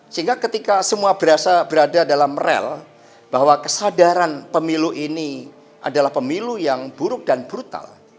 sehingga ketika semua berasa berada dalam rel bahwa kesadaran pemilu ini adalah pemilu yang buruk dan brutal